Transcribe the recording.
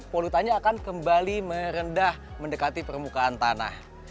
polutannya akan kembali merendah mendekati permukaan tanah